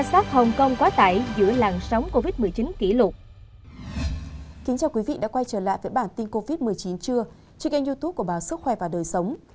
xin chào quý vị đã quay trở lại với bản tin covid một mươi chín trưa trên kênh youtube của báo sức khỏe và đời sống